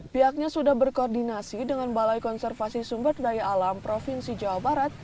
pihaknya sudah berkoordinasi dengan balai konservasi sumber daya alam provinsi jawa barat